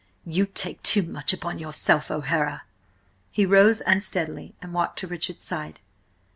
"You take too much upon yourself, O'Hara!" He rose unsteadily and walked to Richard's side.